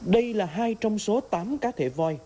đây là hai trong số tám cá thể voi